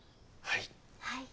はい。